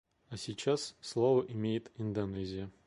А сейчас слово имеет Индонезия.